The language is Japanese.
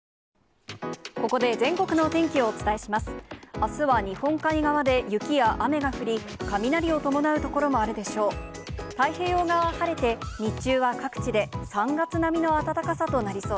あすは日本海側で雪や雨が降り、雷を伴う所もあるでしょう。